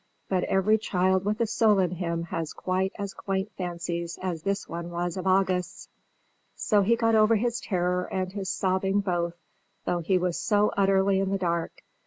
But every child with a soul in him has quite as quaint fancies as this one was of August's. So he got over his terror and his sobbing both, though he was so utterly in the dark.